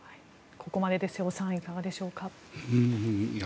ここまでで瀬尾さんいかがですか？